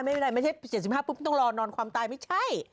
ไม่ใช่๗๕ปุ๊บต้องรอนอนความตายไม่ใช่